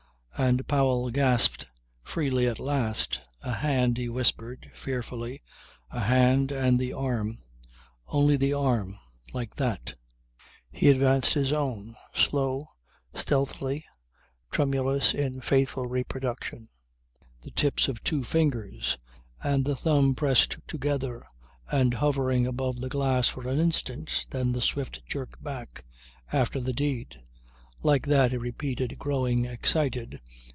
And Powell gasped freely at last. "A hand," he whispered fearfully, "a hand and the arm only the arm like that." He advanced his own, slow, stealthy, tremulous in faithful reproduction, the tips of two fingers and the thumb pressed together and hovering above the glass for an instant then the swift jerk back, after the deed. "Like that," he repeated growing excited.